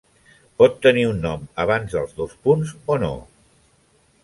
Pot tenir un nom abans dels dos punts o no.